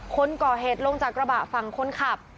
คนก่อเหตุลงจากกระบะฝั่งคนขับ